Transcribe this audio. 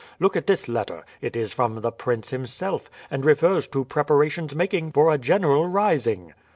Look at this letter; it is from the prince himself, and refers to preparations making for a general rising."